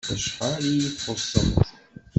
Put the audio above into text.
Acḥal iyi-txuṣṣemt!